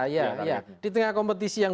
ya ya di tengah kompetisi yang